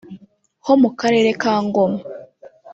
ho mu karere ka Ngoma